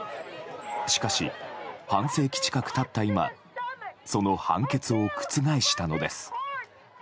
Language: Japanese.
しかし、半世紀近く経った今その判決を覆したのです。